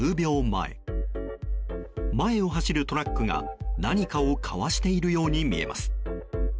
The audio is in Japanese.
前を走るトラックが、何かをかわしているように見えます。